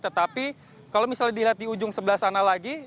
tetapi kalau misalnya dilihat di ujung sebelah sana lagi